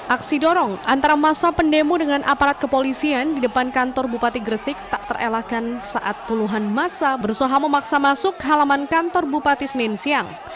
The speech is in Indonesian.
aksi dorong antara masa pendemo dengan aparat kepolisian di depan kantor bupati gresik tak terelakkan saat puluhan masa bersoha memaksa masuk halaman kantor bupati senin siang